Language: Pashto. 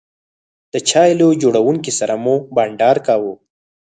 د چای له جوړونکي سره مو بانډار کاوه.